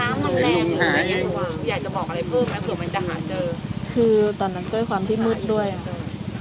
อยากจะบอกอะไรเพิ่มไหมเผื่อมันจะหาเจอคือตอนนั้นด้วยความที่มืดด้วยอ่ะ